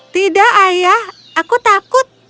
tidak ayah aku takut